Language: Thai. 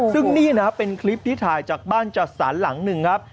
ซึ่งนี่นะครับเป็นคลิปที่ถ่ายจากบ้านจัดสรรหลังหนึ่งครับ